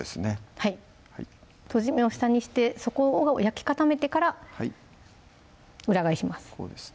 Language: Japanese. はいとじ目を下にしてそこを焼き固めてから裏返します